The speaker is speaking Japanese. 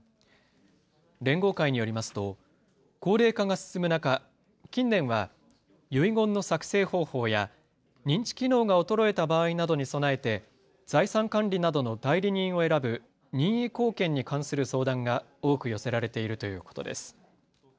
連合会によりますと高齢化が進む中、近年は遺言の作成方法や認知機能が衰えた場合などに備えて財産管理などの代理人を選ぶ任意後見に関する相談が多く寄せられているということです。